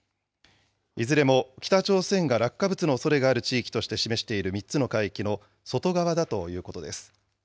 いずれも北朝鮮が落下物のおそれがある地域として示している３つの海域の外側だということです。